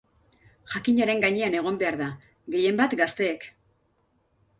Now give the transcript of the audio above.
Jakinaren gainean egon behar da, gehien bat gazteek.